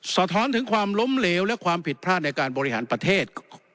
สะท้อนถึงความล้มเหลวและความผิดพลาดในการบริหารประเทศ